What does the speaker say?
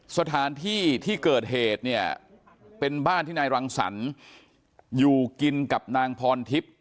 สถานที่ที่เกิดเหตุเนี่ยเป็นบ้านที่นายรังสรรค์อยู่กินกับนางพรทิพย์